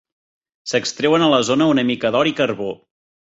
S'extreuen a la zona una mica d'or i carbó.